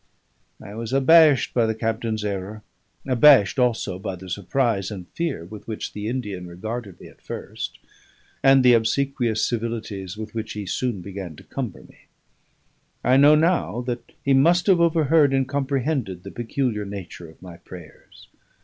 I was abashed by the captain's error; abashed, also, by the surprise and fear with which the Indian regarded me at first, and the obsequious civilities with which he soon began to cumber me. I know now that he must have overheard and comprehended the peculiar nature of my prayers.